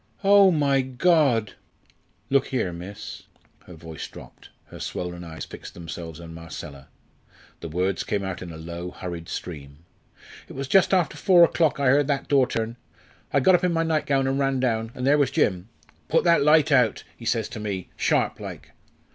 "Oh, my God! Look here, miss" her voice dropped, her swollen eyes fixed themselves on Marcella the words came out in a low, hurried stream "It was just after four o'clock I heard that door turn; I got up in my nightgown and ran down, and there was Jim. 'Put that light out,' he says to me, sharp like.